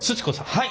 はい。